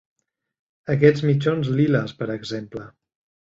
Aquests mitjons liles, per exemple.